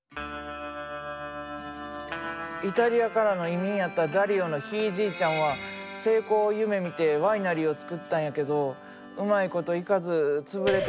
イタリアからの移民やったダリオのひいじいちゃんは成功を夢みてワイナリーを作ったんやけどうまいこといかず潰れてもうたんや。